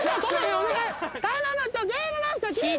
お願い。